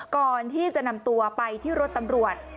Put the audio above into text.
ก่อนที่จะนำตัวไปที่รถตำรวจ